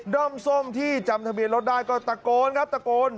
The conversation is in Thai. ้อมส้มที่จำทะเบียนรถได้ก็ตะโกนครับตะโกน